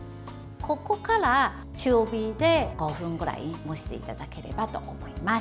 ここから中火で５分ぐらい蒸していただければと思います。